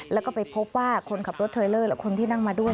แล้วก็ไปพบว่าคนขับรถเทรลเลอร์และคนที่นั่งมาด้วย